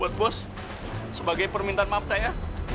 buat bos sebagai permintaan maaf saya